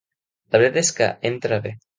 La veritat és que entra bé.